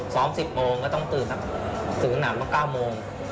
ซ้อม๑๐โมงก็ต้องตื่นตื่นอาบเมื่อ๙โมง